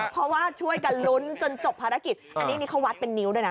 เพราะว่าช่วยกันลุ้นจนจบภารกิจอันนี้นี่เขาวัดเป็นนิ้วด้วยนะ